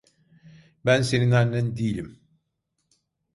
Ben senin annen değilim.